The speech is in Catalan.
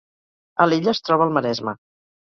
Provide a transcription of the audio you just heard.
Alella es troba al Maresme